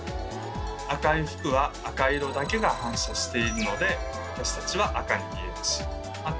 赤い服は赤色だけが反射しているので私たちは赤に見えるしまた